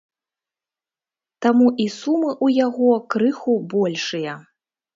Таму і сумы ў яго крыху большыя.